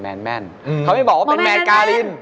เขาไม่ได้บอกว่ามะกาลิน